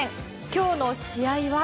今日の試合は。